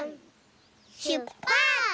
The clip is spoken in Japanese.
しゅっぱつ！